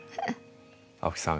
青木さん